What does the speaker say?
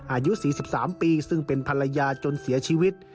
อายุ๔๓ปีซึ่งเป็นภรรยาจนเสียชีวิต